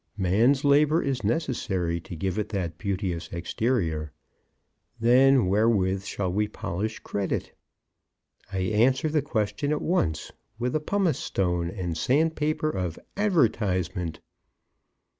Man's labour is necessary to give it that beauteous exterior. Then wherewith shall we polish credit? I answer the question at once. With the pumice stone and sand paper of advertisement.